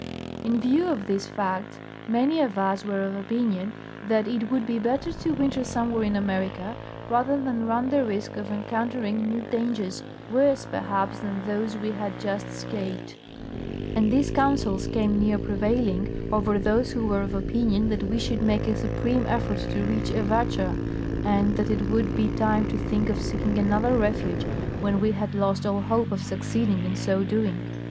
In view of these facts, many of us were of opinion that it would be better to winter somewhere in America, rather than run the risk of encounter ing new clangers worse, perhaps, than those we had just escaped ; and these counsels came near prevailing over those who were of opinion that we should make a supreme effort to reach Avatscha, and that it would be time to think of seeking another refuge when we had lost all hope of suc ceeding in so doing.